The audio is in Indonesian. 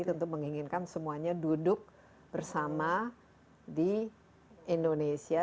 tentu menginginkan semuanya duduk bersama di indonesia